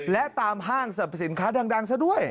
และตามห้างสรรพสินค้าดังซะด้วย